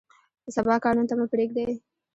د سبا کار نن ته مه پرېږدئ.